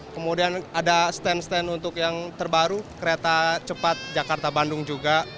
kemudian ada stand stand untuk yang terbaru kereta cepat jakarta bandung juga